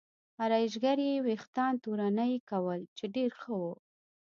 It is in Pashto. ارایشګرې یې وریښتان تورنۍ کول چې ډېر ښه و.